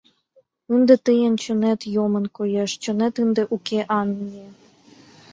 Ынде тыйын чонет йомын, коеш; чонет ынде уке, ане...